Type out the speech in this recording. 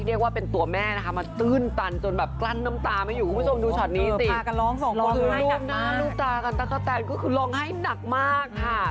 ลงหน้าลูบดาแค่เขาแต่ลูบคือลงให้หนักมากค่ะ